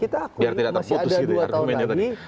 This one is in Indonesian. kita akui masih ada dua tahun lagi